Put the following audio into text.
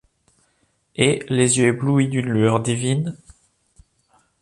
Et, les yeux éblouis d'une lueur divine